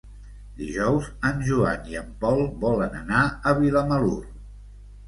Dijous en Joan i en Pol volen anar a Vilamalur.